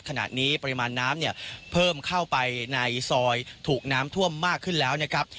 ขณะนี้ปริมาณน้ำเนี่ยเพิ่มเข้าไปในซอยถูกน้ำท่วมมากขึ้นแล้วนะครับ